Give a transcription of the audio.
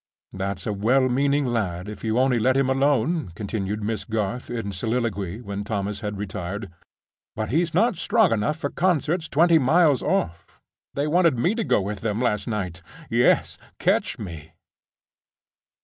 That's a well meaning lad, if you only let him alone," continued Miss Garth, in soliloquy, when Thomas had retired; "but he's not strong enough for concerts twenty miles off. They wanted me to go with them last night. Yes: catch me!"